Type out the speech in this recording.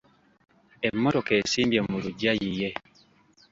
Emmotoka esimbye mu lugya yiye.